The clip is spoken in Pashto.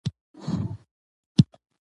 زه هر سهار وختي پاڅېږم.